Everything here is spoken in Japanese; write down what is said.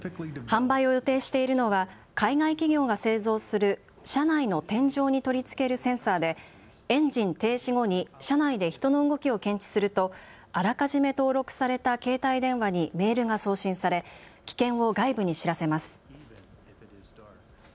販売を予定しているのは海外企業が製造する車内の天井に取り付けるセンサーでエンジン停止後に車内で人の動きを検知するとあらかじめ登録された携帯電話にメールが送信され危険を外部に知らせます。